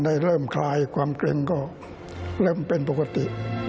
ได้เริ่มคลายความเกร็งก็เริ่มเป็นปกติ